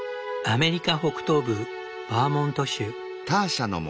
アメリカ北東部バーモント州。